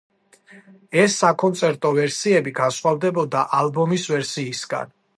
ეს საკონცერტო ვერსიები განსხვავდებოდა ალბომის ვერსიისგან.